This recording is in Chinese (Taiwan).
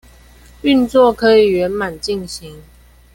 運作可以圓滿進行